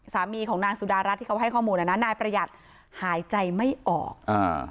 สามีของนางสุดารัฐที่เขาให้ข้อมูลอ่ะนะนายประหยัดหายใจไม่ออกอ่า